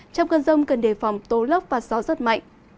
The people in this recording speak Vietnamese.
trong cơn rông cần đề phòng tố lốc và gió rất mạnh